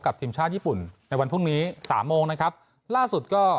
ทีมชาติญี่ปุ่นในวันพรุ่งนี้สามโมงนะครับล่าสุดก็